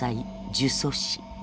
呪詛師